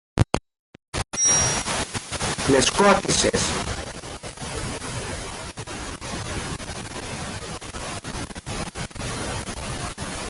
Με σκότισες!